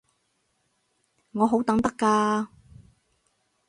我好等得㗎